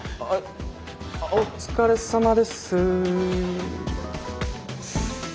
お疲れさまです。